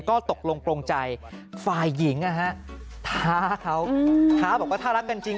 ก็ตกลงโปรงใจฝ่ายหญิงนะฮะท้าเขาท้าบอกว่าถ้ารักกันจริง